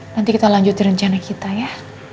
nanti kita lanjut rencana kita ya